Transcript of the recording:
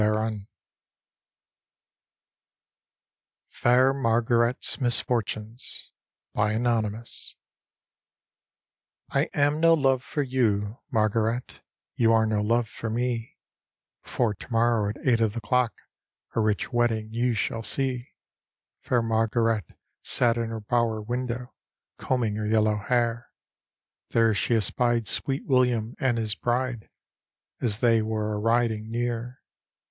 D,gt,, erihyGOOgle The Haunted Hour FAIR MARGARET'S MISFORTUNES " I am no love for you, Margaret, You arc no love for mc, Before to morrow at eight of the clock, A rich wedding you shall see," Fair Margaret sat in her bower window Combing her yellow hair; There she espied sweet William and bis bride, As they were a riding near.